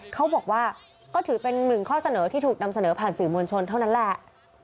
เขาบอกว่าก็ถือเป็นหนึ่งข้อเสนอที่ถูกนำเสนอผ่านสื่อมวลชนเท่านั้นแหละ